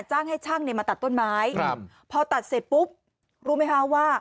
จ้างให้ช่างเนี่ยมาตัดต้นไม้ครับพอตัดเสร็จปุ๊บรู้ไหมคะว่า